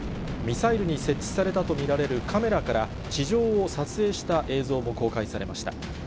ミサイルに設置されたと見られるカメラから地上を撮影した映像も公開されました。